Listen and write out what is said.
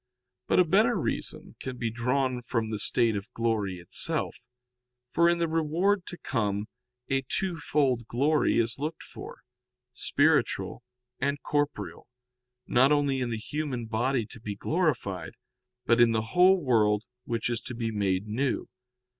But a better reason can be drawn from the state of glory itself. For in the reward to come a two fold glory is looked for, spiritual and corporeal, not only in the human body to be glorified, but in the whole world which is to be made new.